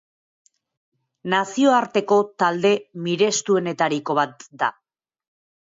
Nazioarteko talde mirestuenetariko bat da.